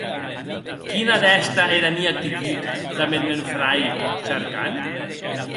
Quina a d’èster era mia actitud damb eth mèn frair Scharkan?